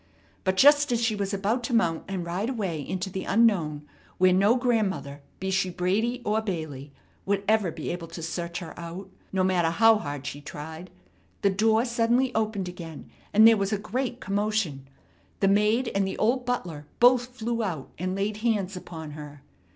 But just as she was about to mount and ride away into the unknown where no grandmother, be she Brady or Bailey, would ever be able to search her out, no matter how hard she tried, the door suddenly opened again, and there was a great commotion. The maid and the old butler both flew out, and laid hands upon her.